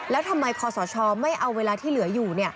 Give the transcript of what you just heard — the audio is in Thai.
แล้วทำไมคอสชไม่เอาเวลาที่เหลืออยู่